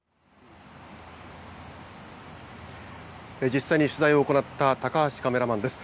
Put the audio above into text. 実際に取材を行った高橋カメラマンです。